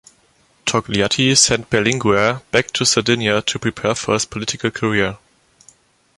Togliatti sent Berlinguer back to Sardinia to prepare for his political career.